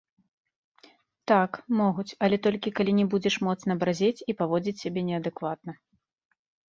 Так, могуць, але толькі калі не будзеш моцна барзець і паводзіць сябе неадэкватна.